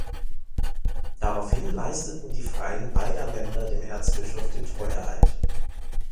Daraufhin leisteten die Freien beider Länder dem Erzbischof den Treueid.